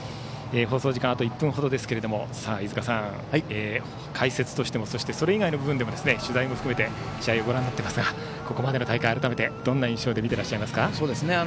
放送時間はあと１分ほどですが飯塚さん、解説としてもそれ以外の部分でも取材も含めてご覧になってますがここまでの大会を改めてどんな印象で見ていらっしゃいますか。